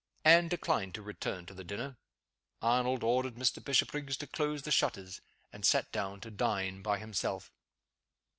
Anne declined to return to the dinner. Arnold ordered Mr. Bishopriggs to close the shutters, and sat down to dine by himself.